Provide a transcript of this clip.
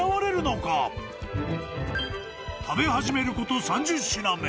［食べ始めること３０品目］